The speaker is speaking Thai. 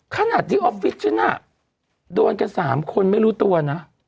ขนาดที่ออฟฟิศฉันน่ะโดนกัน๓คนไม่รู้ตัวนะ